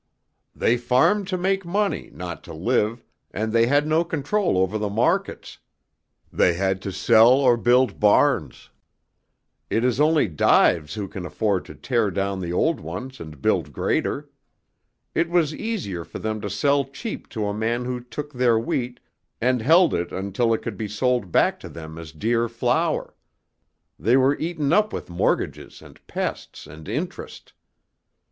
"They farmed to make money, not to live, and they had no control over the markets. They had to sell or build barns. It is only Dives who can afford to tear down the old ones and build greater. It was easier for them to sell cheap to a man who took their wheat and held it until it could be sold back to them as dear flour. They were eaten up with mortgages and pests and interest.